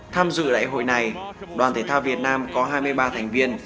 tham dự đại hội này đoàn thể thao việt nam có hai mươi ba thành viên